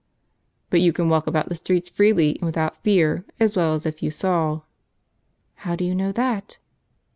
" But you can walk about the streets freely, and without fear, as well as if you saw." " How do you know that?